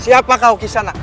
siapa kau kesana